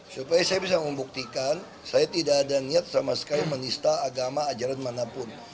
supaya saya bisa membuktikan saya tidak ada niat sama sekali menista agama ajaran manapun